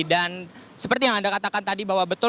dan seperti yang anda katakan tadi bahwa betul